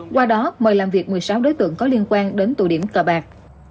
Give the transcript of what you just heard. qua đó mời làm việc một mươi sáu đối tượng có liên quan đến tụ điểm cờ bạc